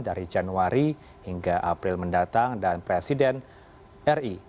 dari januari hingga april mendatang dan presiden ri